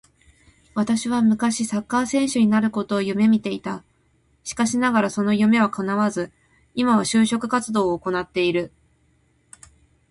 私は昔サッカー選手になることを夢見ていた。しかしながらその夢は叶わず、今は就職活動を行っている